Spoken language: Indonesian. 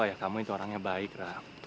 ayah kamu itu orang yang baik ra